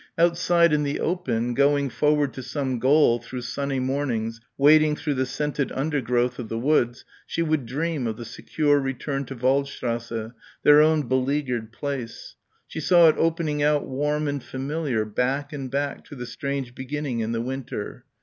Outside in the open, going forward to some goal through sunny mornings, gathering at inns, wading through the scented undergrowth of the woods, she would dream of the secure return to Waldstrasse, their own beleaguered place. She saw it opening out warm and familiar back and back to the strange beginning in the winter.